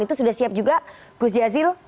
itu sudah siap juga gus jazil